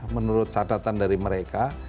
menurut catatan dari mereka